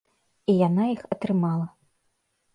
І яна іх атрымала.